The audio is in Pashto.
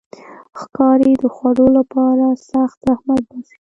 ښکاري د خوړو لپاره سخت زحمت باسي.